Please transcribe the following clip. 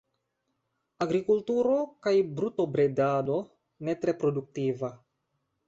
Agrikulturo kaj brutobredado, ne tre produktiva.